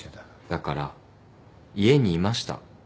だから家にいました。